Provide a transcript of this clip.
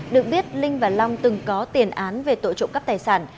được biết linh và long từng có tiền án về tội trộm cắp tài sản